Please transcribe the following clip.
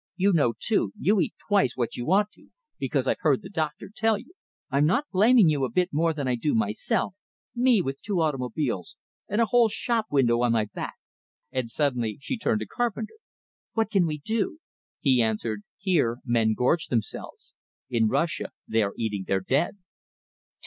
You know, too, you eat twice what you ought to, because I've heard the doctor tell you. I'm not blaming you a bit more than I do myself me, with two automobiles, and a whole show window on my back." And suddenly she turned to Carpenter. "What can we do?" He answered: "Here, men gorge themselves; in Russia they are eating their dead."